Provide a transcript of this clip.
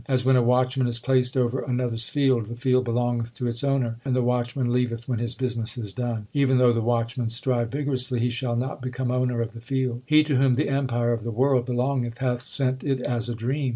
As when a watchman is placed over another s field, The field belongeth to its owner, and the watchman leaveth when his business is done. Even though the watchman strive vigorously, He shall not become owner of the field. He to whom the empire of the world belongeth hath sent it as a dream.